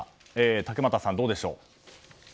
竹俣さん、どうでしょう。